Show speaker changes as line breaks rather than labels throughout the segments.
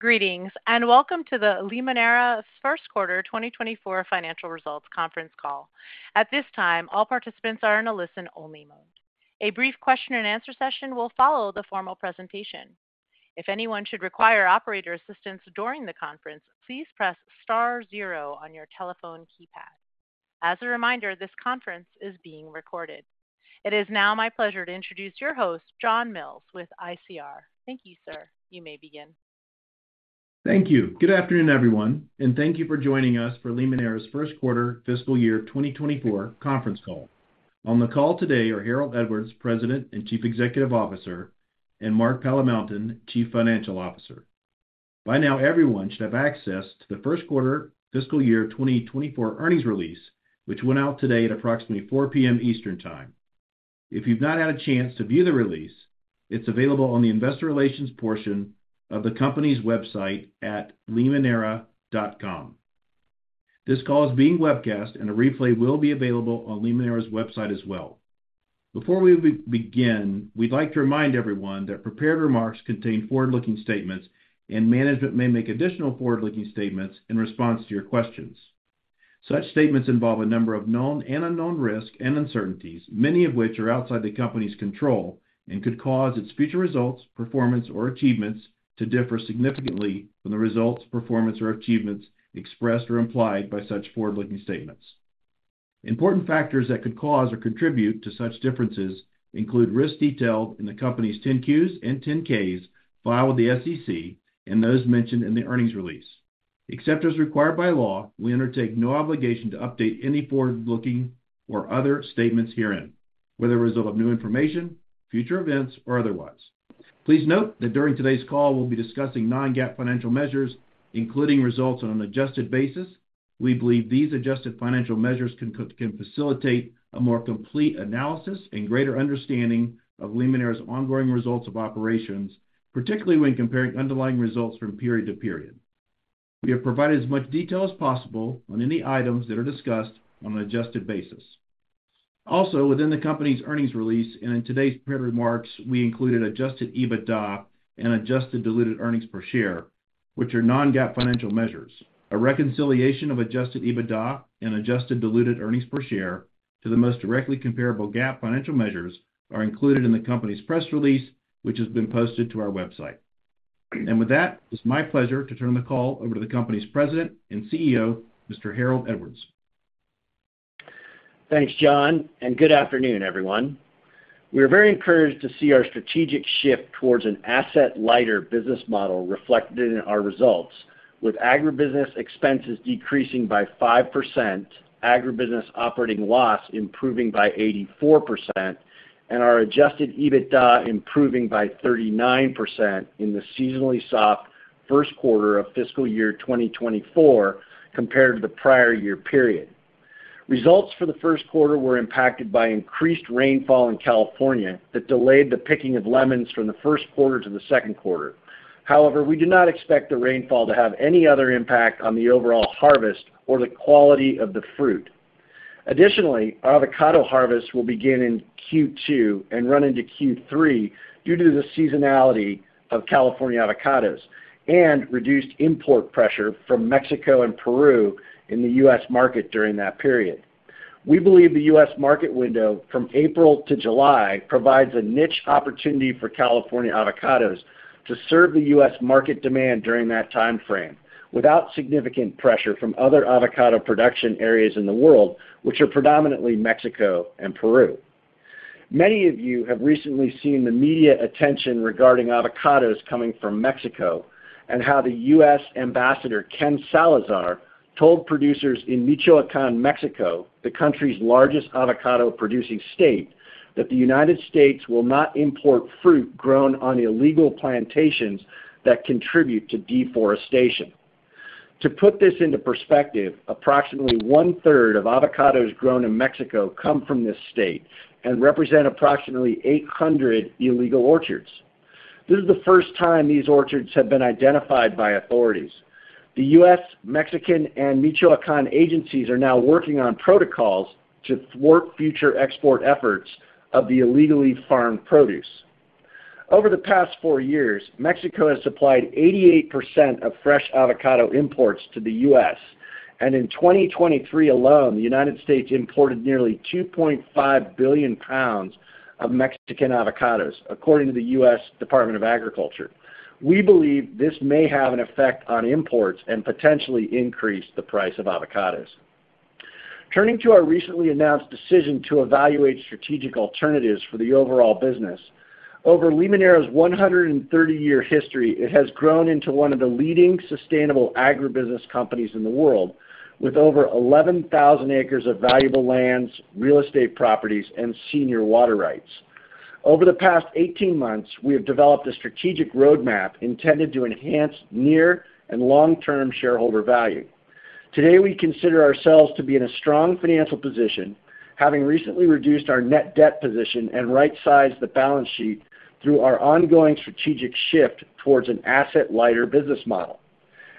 Greetings and welcome to the Limoneira's first quarter 2024 financial results conference call. At this time, all participants are in a listen-only mode. A brief question-and-answer session will follow the formal presentation. If anyone should require operator assistance during the conference, please press *0 on your telephone keypad. As a reminder, this conference is being recorded. It is now my pleasure to introduce your host, John Mills, with ICR. Thank you, sir. You may begin.
Thank you. Good afternoon, everyone, and thank you for joining us for Limoneira's first quarter fiscal year 2024 conference call. On the call today are Harold Edwards, President and Chief Executive Officer, and Mark Palamountain, Chief Financial Officer. By now, everyone should have access to the first quarter fiscal year 2024 earnings release, which went out today at approximately 4:00 P.M. Eastern Time. If you've not had a chance to view the release, it's available on the investor relations portion of the company's website at limoneira.com. This call is being webcast, and a replay will be available on Limoneira's website as well. Before we begin, we'd like to remind everyone that prepared remarks contain forward-looking statements, and management may make additional forward-looking statements in response to your questions. Such statements involve a number of known and unknown risks and uncertainties, many of which are outside the company's control and could cause its future results, performance, or achievements to differ significantly from the results, performance, or achievements expressed or implied by such forward-looking statements. Important factors that could cause or contribute to such differences include risks detailed in the company's 10-Qs and 10-Ks filed with the SEC and those mentioned in the earnings release. Except as required by law, we undertake no obligation to update any forward-looking or other statements herein, whether a result of new information, future events, or otherwise. Please note that during today's call, we'll be discussing non-GAAP financial measures, including results on an adjusted basis. We believe these adjusted financial measures can facilitate a more complete analysis and greater understanding of Limoneira's ongoing results of operations, particularly when comparing underlying results from period to period. We have provided as much detail as possible on any items that are discussed on an adjusted basis. Also, within the company's earnings release and in today's prepared remarks, we included adjusted EBITDA and adjusted diluted earnings per share, which are non-GAAP financial measures. A reconciliation of adjusted EBITDA and adjusted diluted earnings per share to the most directly comparable GAAP financial measures are included in the company's press release, which has been posted to our website. With that, it's my pleasure to turn the call over to the company's President and CEO, Mr. Harold Edwards.
Thanks, John, and good afternoon, everyone. We are very encouraged to see our strategic shift towards an asset-lighter business model reflected in our results, with agribusiness expenses decreasing by 5%, agribusiness operating loss improving by 84%, and our Adjusted EBITDA improving by 39% in the seasonally soft first quarter of fiscal year 2024 compared to the prior year period. Results for the first quarter were impacted by increased rainfall in California that delayed the picking of lemons from the first quarter to the second quarter. However, we do not expect the rainfall to have any other impact on the overall harvest or the quality of the fruit. Additionally, our avocado harvest will begin in Q2 and run into Q3 due to the seasonality of California avocados and reduced import pressure from Mexico and Peru in the U.S. market during that period. We believe the U.S. market window from April to July provides a niche opportunity for California avocados to serve the U.S. market demand during that time frame without significant pressure from other avocado production areas in the world, which are predominantly Mexico and Peru. Many of you have recently seen the media attention regarding avocados coming from Mexico and how the U.S. Ambassador Ken Salazar told producers in Michoacán, Mexico, the country's largest avocado-producing state, that the United States will not import fruit grown on illegal plantations that contribute to deforestation. To put this into perspective, approximately 1/3 of avocados grown in Mexico come from this state and represent approximately 800 illegal orchards. This is the first time these orchards have been identified by authorities. The U.S., Mexican, and Michoacán agencies are now working on protocols to thwart future export efforts of the illegally farmed produce. Over the past four years, Mexico has supplied 88% of fresh avocado imports to the U.S., and in 2023 alone, the United States imported nearly $2.5 billion of Mexican avocados, according to the U.S. Department of Agriculture. We believe this may have an effect on imports and potentially increase the price of avocados. Turning to our recently announced decision to evaluate strategic alternatives for the overall business, over Limoneira's 130-year history, it has grown into one of the leading sustainable agribusiness companies in the world, with over 11,000 acres of valuable lands, real estate properties, and senior water rights. Over the past 18 months, we have developed a strategic roadmap intended to enhance near- and long-term shareholder value. Today, we consider ourselves to be in a strong financial position, having recently reduced our net debt position and right-sized the balance sheet through our ongoing strategic shift towards an asset-lighter business model.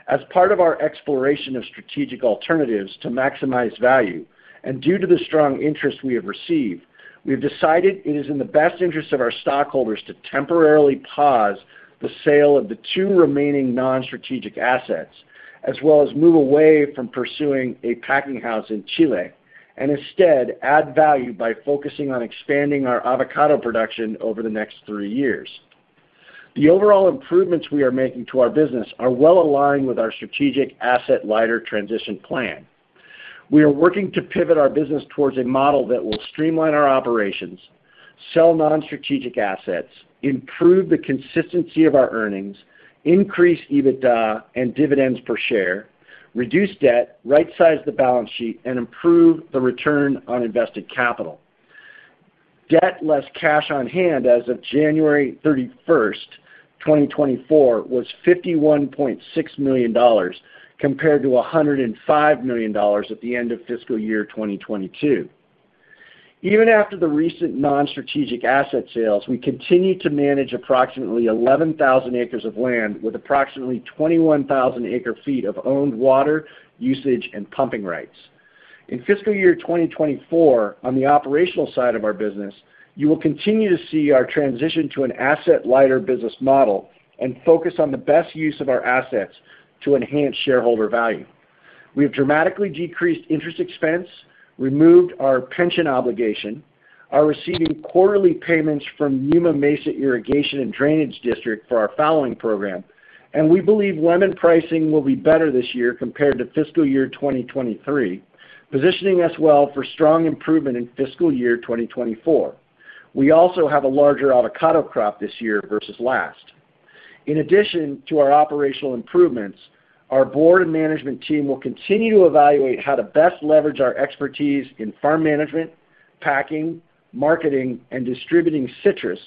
As part of our exploration of strategic alternatives to maximize value, and due to the strong interest we have received, we have decided it is in the best interest of our stockholders to temporarily pause the sale of the two remaining non-strategic assets, as well as move away from pursuing a packing house in Chile and instead add value by focusing on expanding our avocado production over the next three years. The overall improvements we are making to our business are well aligned with our strategic asset-lighter transition plan. We are working to pivot our business towards a model that will streamline our operations, sell non-strategic assets, improve the consistency of our earnings, increase EBITDA and dividends per share, reduce debt, right-size the balance sheet, and improve the return on invested capital. Debt less cash on hand as of January 31st, 2024, was $51.6 million compared to $105 million at the end of fiscal year 2022. Even after the recent non-strategic asset sales, we continue to manage approximately 11,000 acres of land with approximately 21,000 acre-feet of owned water usage and pumping rights. In fiscal year 2024, on the operational side of our business, you will continue to see our transition to an asset-lighter business model and focus on the best use of our assets to enhance shareholder value. We have dramatically decreased interest expense, removed our pension obligation, are receiving quarterly payments from Yuma Mesa Irrigation and Drainage District for our fallowing program, and we believe lemon pricing will be better this year compared to fiscal year 2023, positioning us well for strong improvement in fiscal year 2024. We also have a larger avocado crop this year versus last. In addition to our operational improvements, our board and management team will continue to evaluate how to best leverage our expertise in farm management, packing, marketing, and distributing citrus,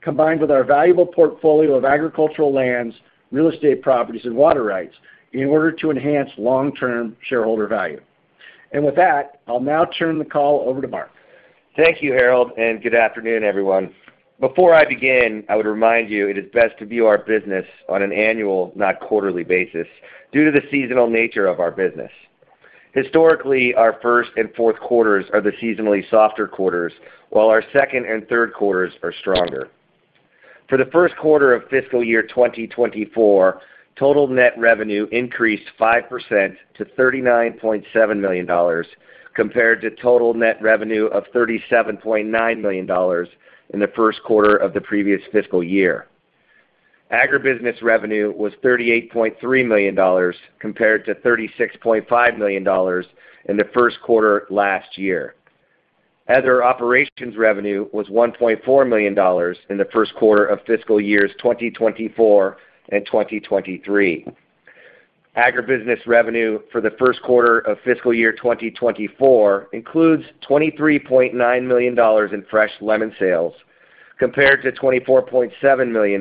combined with our valuable portfolio of agricultural lands, real estate properties, and water rights, in order to enhance long-term shareholder value. And with that, I'll now turn the call over to Mark.
Thank you, Harold, and good afternoon, everyone. Before I begin, I would remind you it is best to view our business on an annual, not quarterly, basis due to the seasonal nature of our business. Historically, our first and fourth quarters are the seasonally softer quarters, while our second and third quarters are stronger. For the first quarter of fiscal year 2024, total net revenue increased 5% to $39.7 million compared to total net revenue of $37.9 million in the first quarter of the previous fiscal year. Agribusiness revenue was $38.3 million compared to $36.5 million in the first quarter last year. Other operations revenue was $1.4 million in the first quarter of fiscal years 2024 and 2023. Agribusiness revenue for the first quarter of fiscal year 2024 includes $23.9 million in fresh lemon sales compared to $24.7 million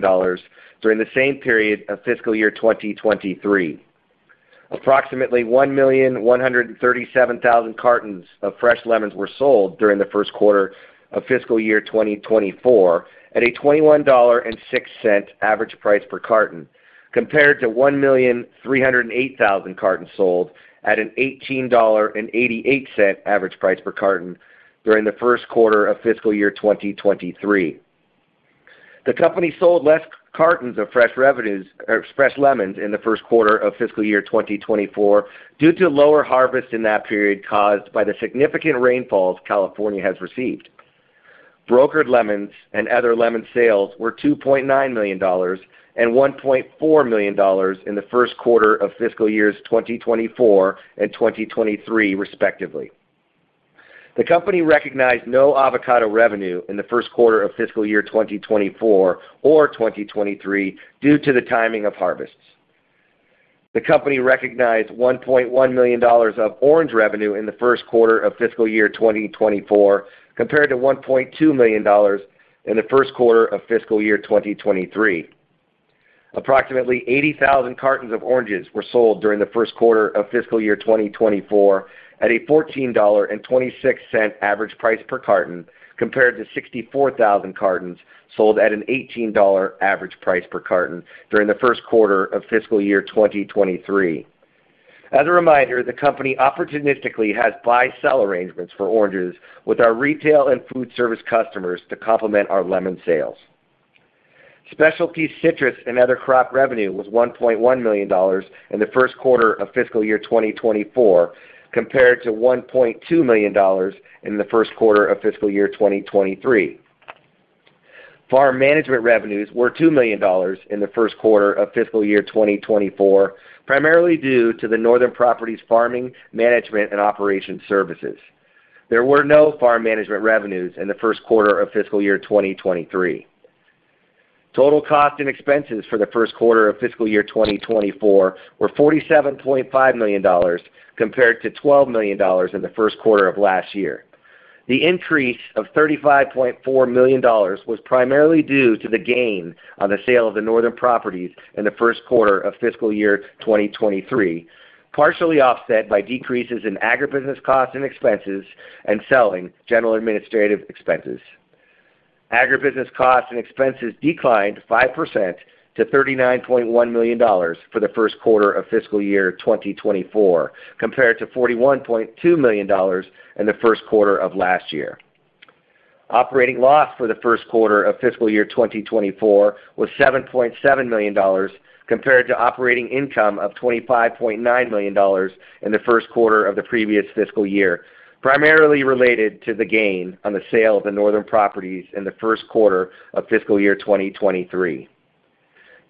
during the same period of fiscal year 2023. Approximately 1,137,000 cartons of fresh lemons were sold during the first quarter of fiscal year 2024 at a $21.06 average price per carton compared to 1,308,000 cartons sold at an $18.88 average price per carton during the first quarter of fiscal year 2023. The company sold less cartons of fresh lemons in the first quarter of fiscal year 2024 due to lower harvests in that period caused by the significant rainfalls California has received. Brokered lemons and other lemon sales were $2.9 million and $1.4 million in the first quarter of fiscal years 2024 and 2023, respectively. The company recognized no avocado revenue in the first quarter of fiscal year 2024 or 2023 due to the timing of harvests. The company recognized $1.1 million of orange revenue in the first quarter of fiscal year 2024 compared to $1.2 million in the first quarter of fiscal year 2023. Approximately 80,000 cartons of oranges were sold during the first quarter of fiscal year 2024 at a $14.26 average price per carton compared to 64,000 cartons sold at an $18.00 average price per carton during the first quarter of fiscal year 2023. As a reminder, the company opportunistically has buy-sell arrangements for oranges with our retail and food service customers to complement our lemon sales. Specialty citrus and other crop revenue was $1.1 million in the first quarter of fiscal year 2024 compared to $1.2 million in the first quarter of fiscal year 2023. Farm management revenues were $2 million in the first quarter of fiscal year 2024, primarily due to the Northern Properties' farming, management, and operations services. There were no farm management revenues in the first quarter of fiscal year 2023. Total cost and expenses for the first quarter of fiscal year 2024 were $47.5 million compared to $12 million in the first quarter of last year. The increase of $35.4 million was primarily due to the gain on the sale of the Northern Properties in the first quarter of fiscal year 2023, partially offset by decreases in agribusiness costs and expenses and selling, general administrative expenses. Agribusiness costs and expenses declined 5% to $39.1 million for the first quarter of fiscal year 2024 compared to $41.2 million in the first quarter of last year. Operating loss for the first quarter of fiscal year 2024 was $7.7 million compared to operating income of $25.9 million in the first quarter of the previous fiscal year, primarily related to the gain on the sale of the Northern Properties in the first quarter of fiscal year 2023.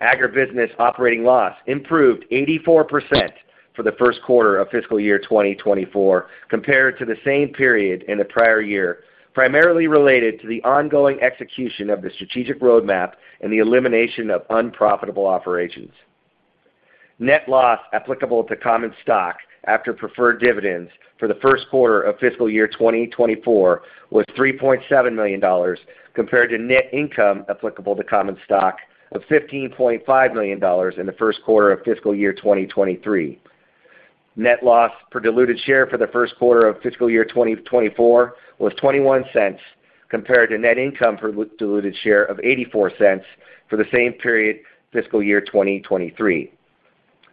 Agribusiness operating loss improved 84% for the first quarter of fiscal year 2024 compared to the same period in the prior year, primarily related to the ongoing execution of the strategic roadmap and the elimination of unprofitable operations. Net loss applicable to common stock after preferred dividends for the first quarter of fiscal year 2024 was $3.7 million compared to net income applicable to common stock of $15.5 million in the first quarter of fiscal year 2023. Net loss per diluted share for the first quarter of fiscal year 2024 was $0.21 compared to net income per diluted share of $0.84 for the same period, fiscal year 2023.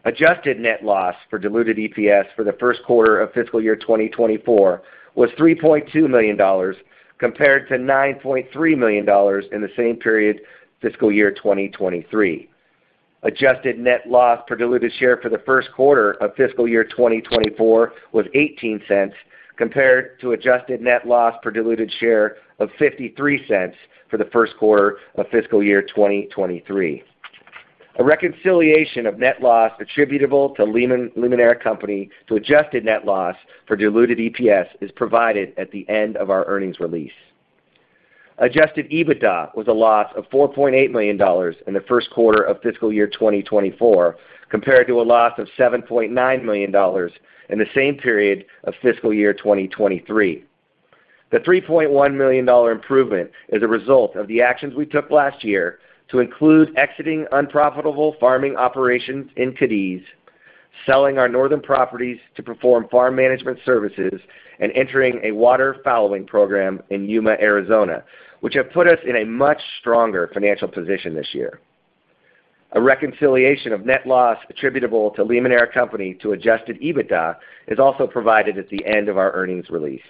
Adjusted net loss for diluted EPS for the first quarter of fiscal year 2024 was $3.2 million compared to $9.3 million in the same period, fiscal year 2023. Adjusted net loss per diluted share for the first quarter of fiscal year 2024 was $0.18 compared to adjusted net loss per diluted share of $0.53 for the first quarter of fiscal year 2023. A reconciliation of net loss attributable to Limoneira Company to adjusted net loss for diluted EPS is provided at the end of our earnings release. Adjusted EBITDA was a loss of $4.8 million in the first quarter of fiscal year 2024 compared to a loss of $7.9 million in the same period of fiscal year 2023. The $3.1 million improvement is a result of the actions we took last year to include exiting unprofitable farming operations in Cadiz, selling our Northern Properties to perform farm management services, and entering a water fallowing program in Yuma, Arizona, which have put us in a much stronger financial position this year. A reconciliation of net loss attributable to Limoneira Company to Adjusted EBITDA is also provided at the end of our earnings release.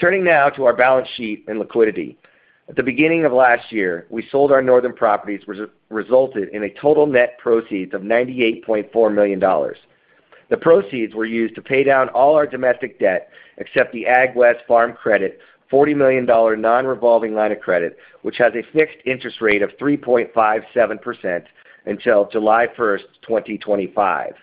Turning now to our balance sheet and liquidity. At the beginning of last year, we sold our Northern Properties, which resulted in a total net proceeds of $98.4 million. The proceeds were used to pay down all our domestic debt except the AgWest Farm Credit $40 million non-revolving line of credit, which has a fixed interest rate of 3.57% until July 1st, 2025.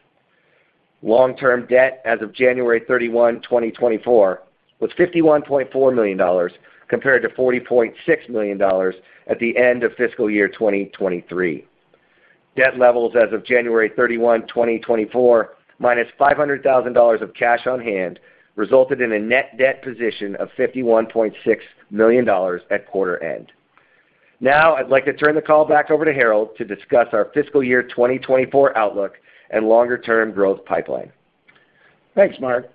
Long-term debt as of January 31, 2024, was $51.4 million compared to $40.6 million at the end of fiscal year 2023. Debt levels as of January 31, 2024, minus $500,000 of cash on hand, resulted in a net debt position of $51.6 million at quarter end. Now, I'd like to turn the call back over to Harold to discuss our fiscal year 2024 outlook and longer-term growth pipeline.
Thanks, Mark.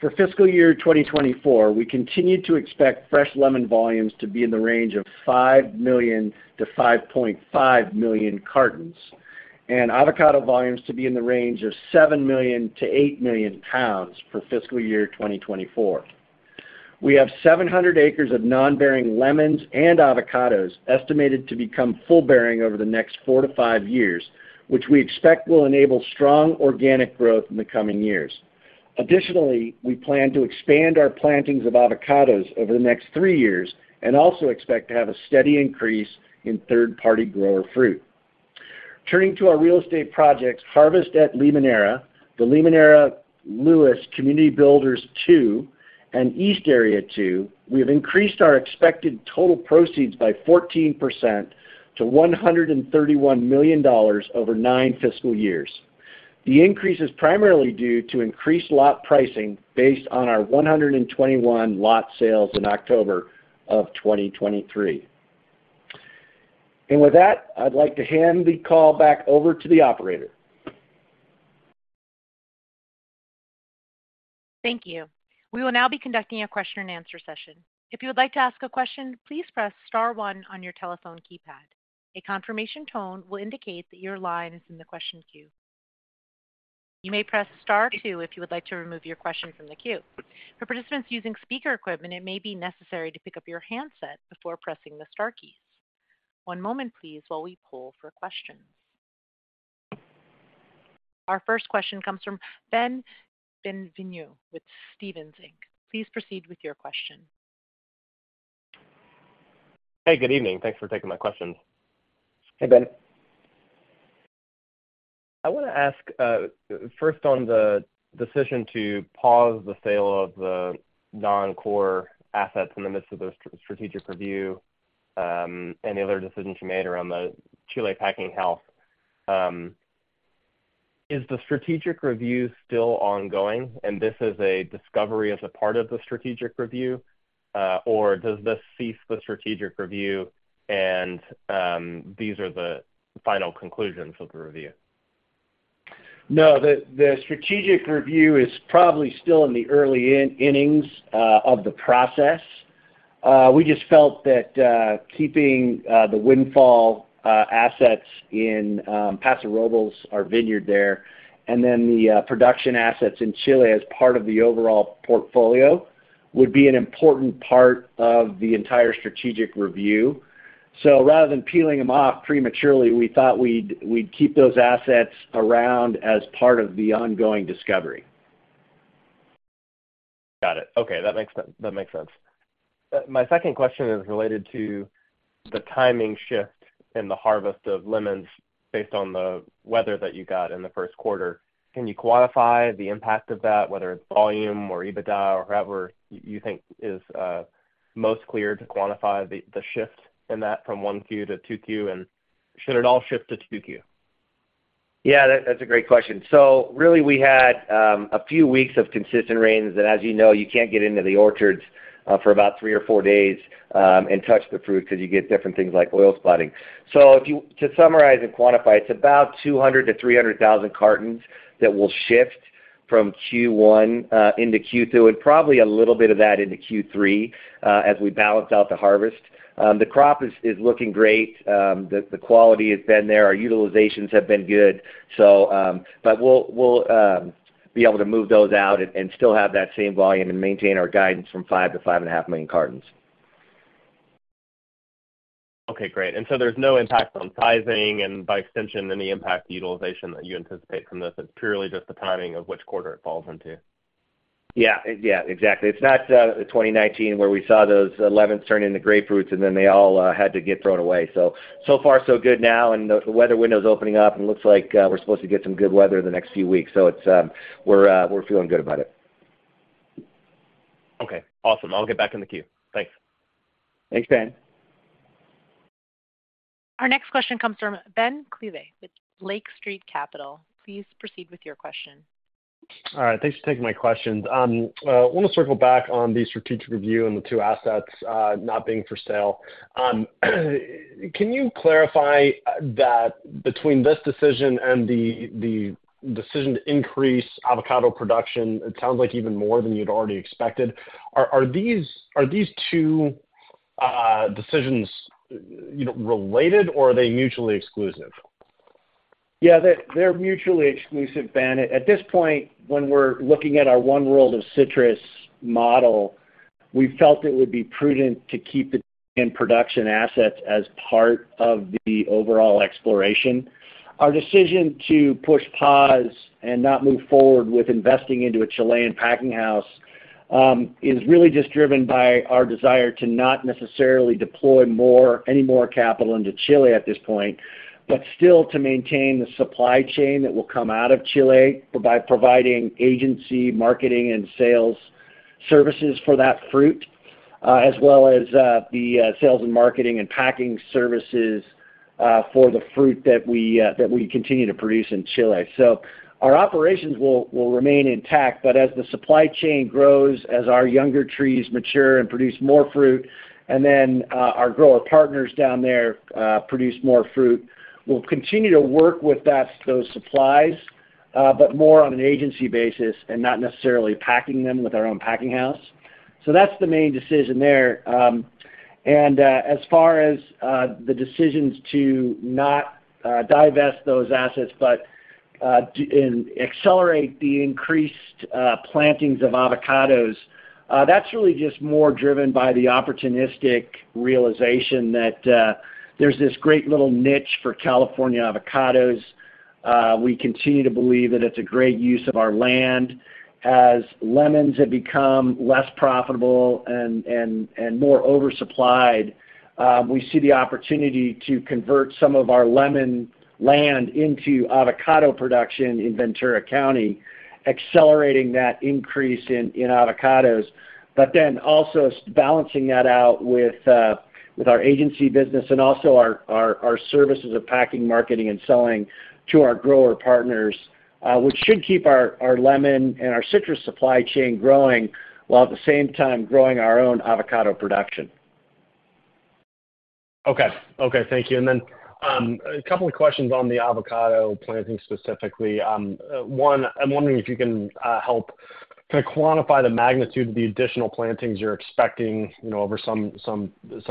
For fiscal year 2024, we continue to expect fresh lemon volumes to be in the range of 5 million-5.5 million cartons and avocado volumes to be in the range of 7 million-8 million pounds for fiscal year 2024. We have 700 acres of non-bearing lemons and avocados estimated to become full-bearing over the next 4-5 years, which we expect will enable strong organic growth in the coming years. Additionally, we plan to expand our plantings of avocados over the next 3 years and also expect to have a steady increase in third-party grower fruit. Turning to our real estate projects, Harvest at Limoneira, the Limoneira Lewis Community Builders II, and East Area II, we have increased our expected total proceeds by 14% to $131 million over 9 fiscal years. The increase is primarily due to increased lot pricing based on our 121 lot sales in October of 2023. With that, I'd like to hand the call back over to the operator.
Thank you. We will now be conducting a question-and-answer session. If you would like to ask a question, please press star one on your telephone keypad. A confirmation tone will indicate that your line is in the question queue. You may press star two if you would like to remove your question from the queue. For participants using speaker equipment, it may be necessary to pick up your handset before pressing the star keys. One moment, please, while we pull for questions. Our first question comes from Ben Bienvenu with Stephens Inc. Please proceed with your question.
Hey, good evening. Thanks for taking my questions.
Hey, Ben.
I want to ask, first, on the decision to pause the sale of the non-core assets in the midst of the strategic review and the other decisions you made around the Chile packing house. Is the strategic review still ongoing, and this is a discovery as a part of the strategic review, or does this cease the strategic review and these are the final conclusions of the review?
No, the strategic review is probably still in the early innings of the process. We just felt that keeping the windfall assets in Paso Robles, our vineyard there, and then the production assets in Chile as part of the overall portfolio would be an important part of the entire strategic review. So rather than peeling them off prematurely, we thought we'd keep those assets around as part of the ongoing discovery.
Got it. Okay, that makes sense. My second question is related to the timing shift in the harvest of lemons based on the weather that you got in the first quarter. Can you quantify the impact of that, whether it's volume or EBITDA or however you think is most clear to quantify the shift in that from Q1 to Q2, and should it all shift to Q2?
Yeah, that's a great question. So really, we had a few weeks of consistent rains, and as you know, you can't get into the orchards for about 3 or 4 days and touch the fruit because you get different things like oil spotting. So to summarize and quantify, it's about 200,000-300,000 cartons that will shift from Q1 into Q2 and probably a little bit of that into Q3 as we balance out the harvest. The crop is looking great. The quality has been there. Our utilizations have been good. But we'll be able to move those out and still have that same volume and maintain our guidance from 5-5.5 million cartons.
Okay, great. And so there's no impact on sizing and, by extension, any impact to utilization that you anticipate from this? It's purely just the timing of which quarter it falls into.
Yeah, yeah, exactly. It's not 2019 where we saw those 11s turn into grapefruits and then they all had to get thrown away. So far, so good now, and the weather window's opening up, and it looks like we're supposed to get some good weather in the next few weeks. So we're feeling good about it.
Okay, awesome. I'll get back in the queue. Thanks.
Thanks, Ben.
Our next question comes from Ben Klieve with Lake Street Capital Markets. Please proceed with your question.
All right, thanks for taking my questions. I want to circle back on the strategic review and the two assets not being for sale. Can you clarify that between this decision and the decision to increase avocado production, it sounds like even more than you'd already expected. Are these two decisions related, or are they mutually exclusive?
Yeah, they're mutually exclusive, Ben. At this point, when we're looking at our One World of Citrus model, we felt it would be prudent to keep the production assets as part of the overall exploration. Our decision to push pause and not move forward with investing into a Chilean packing house is really just driven by our desire to not necessarily deploy any more capital into Chile at this point, but still to maintain the supply chain that will come out of Chile by providing agency, marketing, and sales services for that fruit, as well as the sales and marketing and packing services for the fruit that we continue to produce in Chile. So our operations will remain intact, but as the supply chain grows, as our younger trees mature and produce more fruit, and then our grower partners down there produce more fruit, we'll continue to work with those supplies, but more on an agency basis and not necessarily packing them with our own packing house. So that's the main decision there. As far as the decisions to not divest those assets but accelerate the increased plantings of avocados, that's really just more driven by the opportunistic realization that there's this great little niche for California avocados. We continue to believe that it's a great use of our land. As lemons have become less profitable and more oversupplied, we see the opportunity to convert some of our lemon land into avocado production in Ventura County, accelerating that increase in avocados, but then also balancing that out with our agency business and also our services of packing, marketing, and selling to our grower partners, which should keep our lemon and our citrus supply chain growing while at the same time growing our own avocado production.
Okay, okay, thank you. And then a couple of questions on the avocado planting specifically. One, I'm wondering if you can help kind of quantify the magnitude of the additional plantings you're expecting over some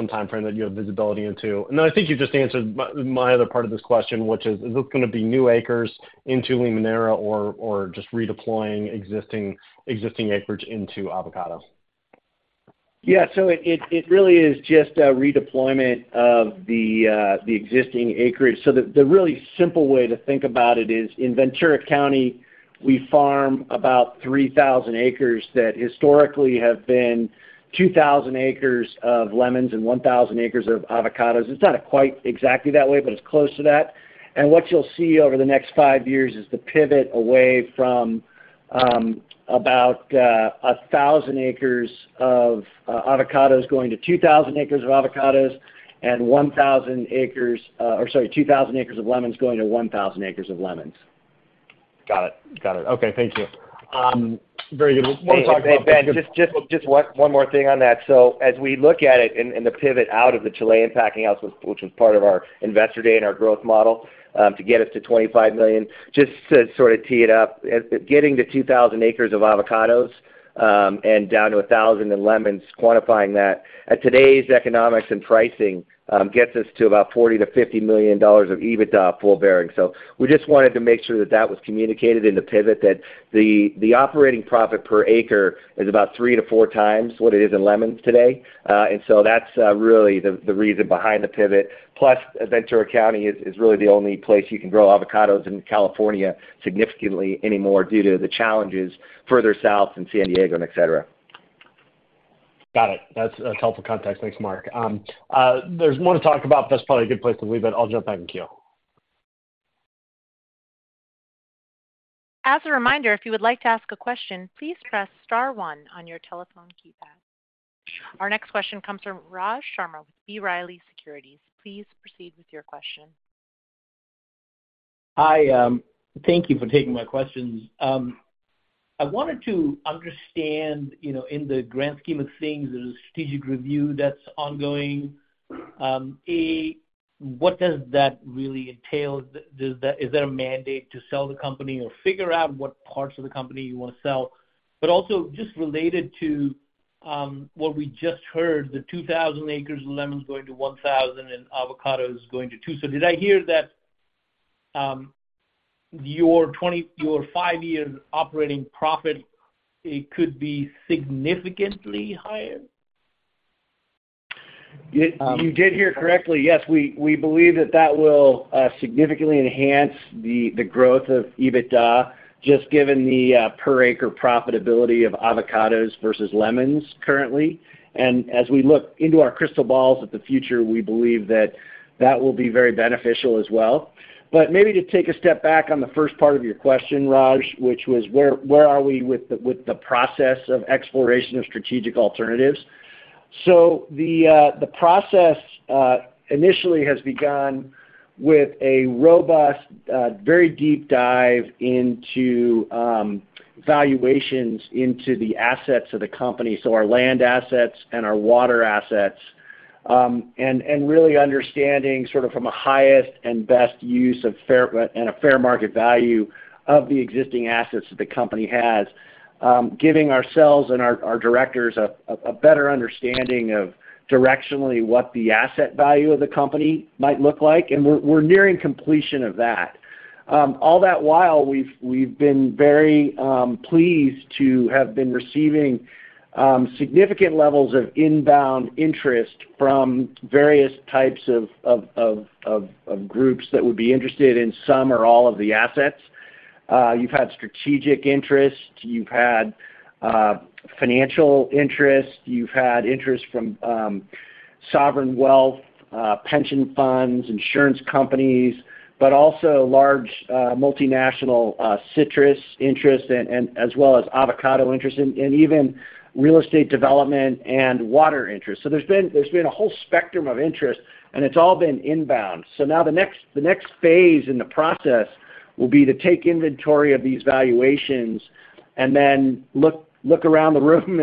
time frame that you have visibility into. And then I think you just answered my other part of this question, which is, is this going to be new acres into Limoneira or just redeploying existing acreage into avocado?
Yeah, so it really is just a redeployment of the existing acreage. The really simple way to think about it is, in Ventura County, we farm about 3,000 acres that historically have been 2,000 acres of lemons and 1,000 acres of avocados. It's not quite exactly that way, but it's close to that. What you'll see over the next 5 years is the pivot away from about 1,000 acres of avocados going to 2,000 acres of avocados and 1,000 acres or sorry, 2,000 acres of lemons going to 1,000 acres of lemons.
Got it, got it. Okay, thank you. Very good. I want to talk about.
Hey, Ben, just one more thing on that. So as we look at it and the pivot out of the Chilean packing house, which was part of our investor day and our growth model to get us to $25 million, just to sort of tee it up, getting to 2,000 acres of avocados and down to 1,000 in lemons, quantifying that, at today's economics and pricing, gets us to about $40 million-$50 million of EBITDA full-bearing. So we just wanted to make sure that that was communicated in the pivot, that the operating profit per acre is about 3-4 times what it is in lemons today. And so that's really the reason behind the pivot. Plus, Ventura County is really the only place you can grow avocados in California significantly anymore due to the challenges further south in San Diego and etc.
Got it. That's helpful context. Thanks, Mark. There's more to talk about, but that's probably a good place to leave it. I'll jump back and queue.
As a reminder, if you would like to ask a question, please press star one on your telephone keypad. Our next question comes from Raj Sharma with B. Riley Securities. Please proceed with your question.
Hi. Thank you for taking my questions. I wanted to understand, in the grand scheme of things, there's a strategic review that's ongoing. What does that really entail? Is there a mandate to sell the company or figure out what parts of the company you want to sell? But also just related to what we just heard, the 2,000 acres of lemons going to 1,000 and avocados going to 2. So did I hear that your five-year operating profit, it could be significantly higher?
You did hear correctly. Yes, we believe that that will significantly enhance the growth of EBITDA, just given the per-acre profitability of avocados versus lemons currently. And as we look into our crystal balls at the future, we believe that that will be very beneficial as well. But maybe to take a step back on the first part of your question, Raj, which was, where are we with the process of exploration of strategic alternatives? So the process initially has begun with a robust, very deep dive into valuations into the assets of the company, so our land assets and our water assets, and really understanding sort of from a highest and best use and a fair market value of the existing assets that the company has, giving ourselves and our directors a better understanding of directionally what the asset value of the company might look like. And we're nearing completion of that. All that while, we've been very pleased to have been receiving significant levels of inbound interest from various types of groups that would be interested in some or all of the assets. You've had strategic interest. You've had financial interest. You've had interest from sovereign wealth, pension funds, insurance companies, but also large multinational citrus interest as well as avocado interest and even real estate development and water interest. So there's been a whole spectrum of interest, and it's all been inbound. So now the next phase in the process will be to take inventory of these valuations and then look around the room,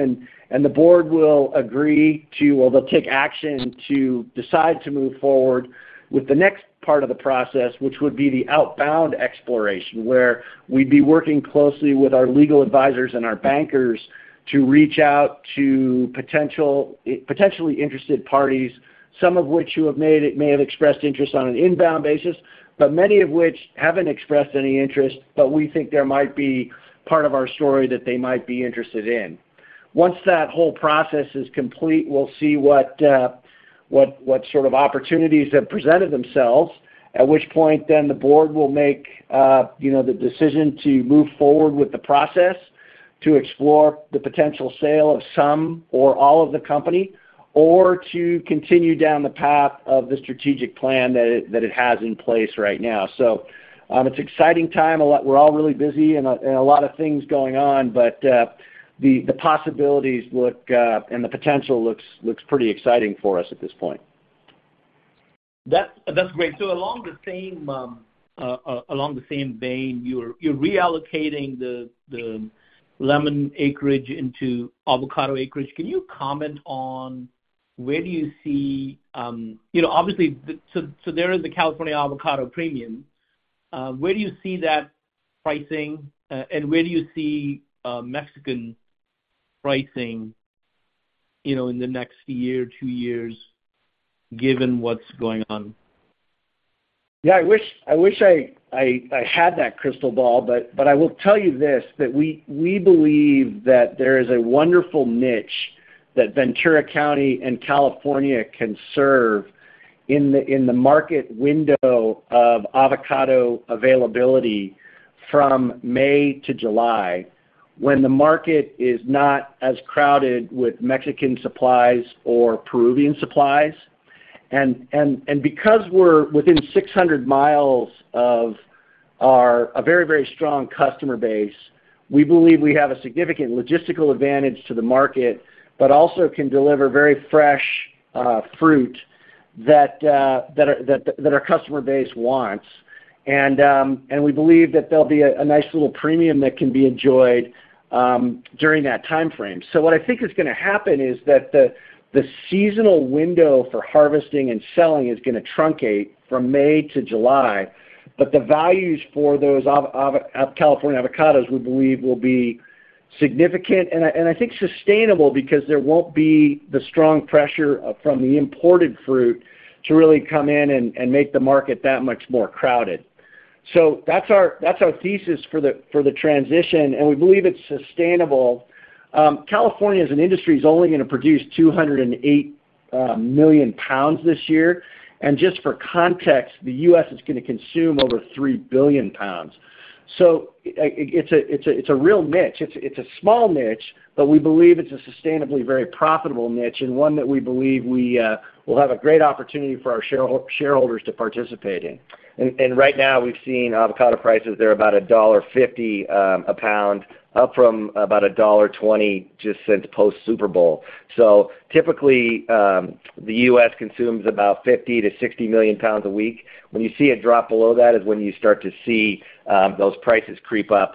and the board will agree to well, they'll take action to decide to move forward with the next part of the process, which would be the outbound exploration, where we'd be working closely with our legal advisors and our bankers to reach out to potentially interested parties, some of which may have expressed interest on an inbound basis, but many of which haven't expressed any interest, but we think there might be part of our story that they might be interested in. Once that whole process is complete, we'll see what sort of opportunities have presented themselves, at which point then the board will make the decision to move forward with the process to explore the potential sale of some or all of the company or to continue down the path of the strategic plan that it has in place right now. So it's an exciting time. We're all really busy and a lot of things going on, but the possibilities and the potential looks pretty exciting for us at this point.
That's great. Along the same vein, you're reallocating the lemon acreage into avocado acreage. Can you comment on where do you see, obviously, so there is the California avocado premium? Where do you see that pricing, and where do you see Mexican pricing in the next year, two years, given what's going on?
Yeah, I wish I had that crystal ball, but I will tell you this, that we believe that there is a wonderful niche that Ventura County and California can serve in the market window of avocado availability from May to July when the market is not as crowded with Mexican supplies or Peruvian supplies. And because we're within 600 miles of a very, very strong customer base, we believe we have a significant logistical advantage to the market, but also can deliver very fresh fruit that our customer base wants. And we believe that there'll be a nice little premium that can be enjoyed during that time frame. So what I think is going to happen is that the seasonal window for harvesting and selling is going to truncate from May to July, but the values for those California avocados, we believe, will be significant and I think sustainable because there won't be the strong pressure from the imported fruit to really come in and make the market that much more crowded. So that's our thesis for the transition, and we believe it's sustainable. California as an industry is only going to produce 208 million pounds this year. And just for context, the U.S. is going to consume over 3 billion pounds. So it's a real niche. It's a small niche, but we believe it's a sustainably very profitable niche and one that we believe we will have a great opportunity for our shareholders to participate in.
Right now, we've seen avocado prices; they're about $1.50 a pound, up from about $1.20 just since post-Super Bowl. Typically, the U.S. consumes about 50-60 million pounds a week. When you see it drop below that is when you start to see those prices creep up.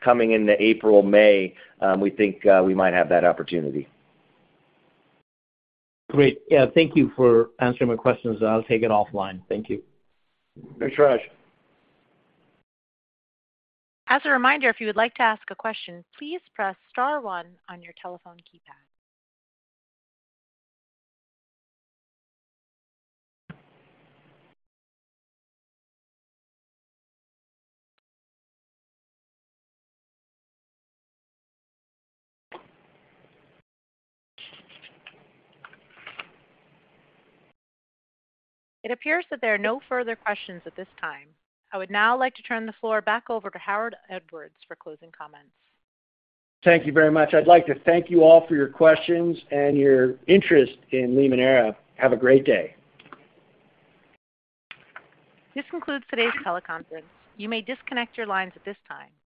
Coming into April, May, we think we might have that opportunity.
Great. Yeah, thank you for answering my questions. I'll take it offline. Thank you.
Thanks, Raj.
As a reminder, if you would like to ask a question, please press star one on your telephone keypad. It appears that there are no further questions at this time. I would now like to turn the floor back over to Harold Edwards for closing comments.
Thank you very much. I'd like to thank you all for your questions and your interest in Limoneira. Have a great day.
This concludes today's teleconference. You may disconnect your lines at this time.